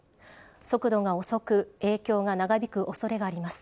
速度が遅く、影響が長引くおそれがあります。